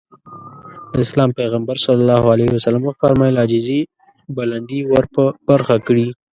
د اسلام پيغمبر ص وفرمايل عاجزي بلندي ورپه برخه کړي.